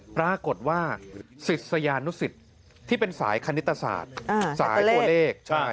ปรากฏว่าศิษยานุสิตที่เป็นสายคณิตศาสตร์สายตัวเลข